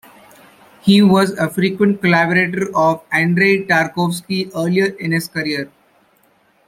He was a frequent collaborator of Andrei Tarkovsky earlier in his career.